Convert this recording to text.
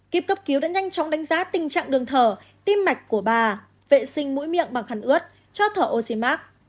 kíp cấp cứu đã nhanh chóng đánh giá tình trạng đường thở tim mạch của bà vệ sinh mũi miệng bằng khăn ướt cho thở oxymark